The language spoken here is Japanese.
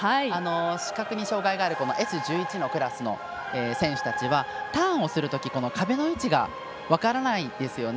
視覚に障害があるＳ１１のクラスの選手たちはターンをするとき壁の位置が分からないんですよね。